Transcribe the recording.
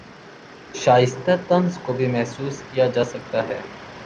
شائستہ طنز کو بھی محسوس کیا جاسکتا ہے